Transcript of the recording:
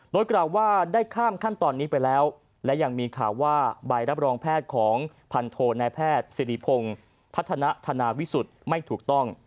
โดยกล่าวว่าได้ข้ามขั้นตอนนี้ไปแล้วและยังมีข่าวว่าใบรับรองแพทย์ของพันโทนายแพทย์สิริพงศ์พัฒนาธนาวิสุทธิ์ไม่ถูกต้อง